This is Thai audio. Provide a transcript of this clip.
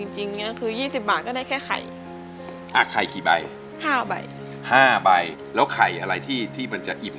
ใช่ครับ